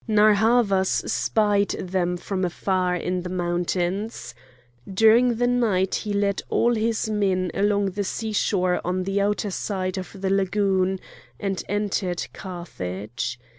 Narr' Havas spied them from afar in the mountains. During the night he led all his men along the sea shore on the outer side of the Lagoon, and entered Carthage.